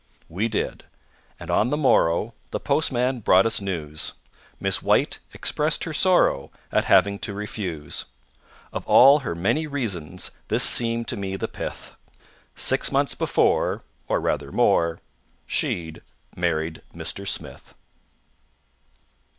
We did, and on the morrow The postman brought us news. Miss WHITE expressed her sorrow At having to refuse. Of all her many reasons This seemed to me the pith: Six months before (or rather more) She'd married Mr. SMITH.